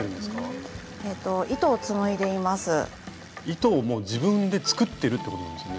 糸をもう自分で作ってるってことなんですよね？